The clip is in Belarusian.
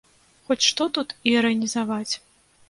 Хоць што тут іранізаваць?